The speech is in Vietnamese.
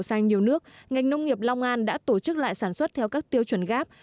ngành nhiều nước ngành nông nghiệp long an đã tổ chức lại sản xuất theo các tiêu chuẩn gap